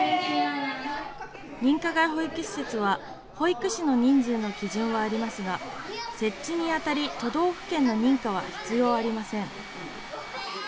認可外保育施設は、保育士の人数の基準はありますが、設置にあたり都道府県の認可は必要ありません。